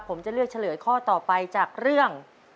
ผมจะเลือกเฉลยข้อต่อไปจากเรื่อง